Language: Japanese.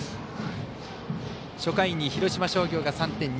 初回に広島商業が３点。